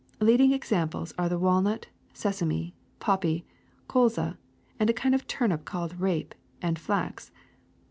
Leading examples are the wal nut, sesame, poppy, colza, a kind of turnip called rape, and flax.